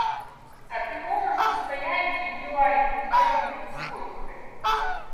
А ты можешь устоять и не лайкнуть картинку с котиками?